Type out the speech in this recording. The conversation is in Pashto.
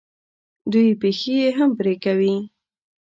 دوی پښې یې هم پرې کوي.